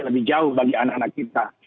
lebih jauh bagi anak anak kita